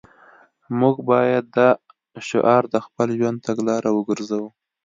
موږ باید دا شعار د خپل ژوند تګلاره وګرځوو